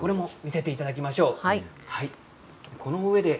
これも見せていただきましょう。